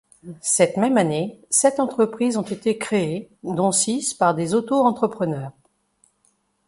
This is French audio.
Cette même année, sept entreprises ont été créées dont six par des auto-entrepreneurs.